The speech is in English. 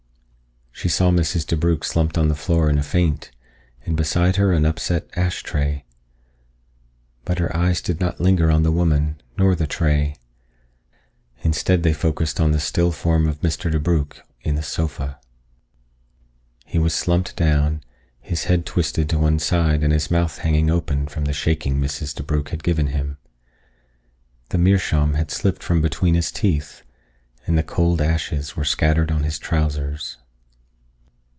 She saw Mrs. DeBrugh slumped on the floor in a faint, and beside her an upset ash tray. But her eyes did not linger on the woman, nor the tray. Instead, they focussed on the still form of Mr. DeBrugh in the sofa. He was slumped down, his head twisted to one side and his mouth hanging open from the shaking Mrs. DeBrugh had given him. The meerschaum had slipped from between his teeth, and the cold ashes were scattered on his trousers.